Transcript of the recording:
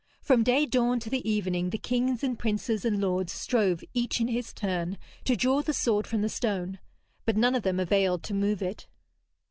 From day dawn to the evening the kings and princes and lords strove each in his turn to draw the sword from the stone. But none of them availed to move it.